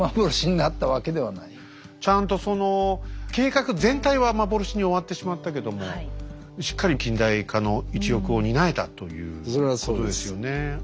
ですからちゃんとその計画全体は幻に終わってしまったけどもしっかり近代化の一翼を担えたということですよね。